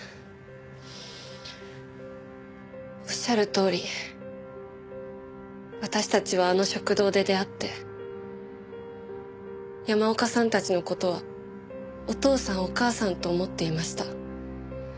おっしゃるとおり私たちはあの食堂で出会って山岡さんたちの事はお父さんお母さんと思っていました。